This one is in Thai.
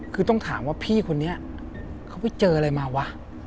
คือต้องถามว่าพี่คนนี้เขาไปเจออะไรมาวะ